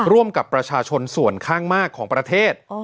ร่วมกับประชาชนส่วนข้างมากของประเทศ